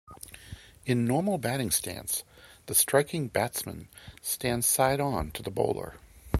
In normal batting stance, the striking batsman stands side on to the bowler.